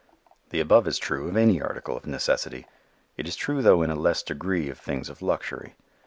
The above is true of any article of necessity. It is true though in a less degree of things of luxury.